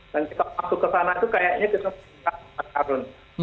dan kita masuk ke sana itu kayaknya kita suka berkarun